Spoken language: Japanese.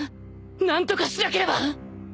何とかしなければ！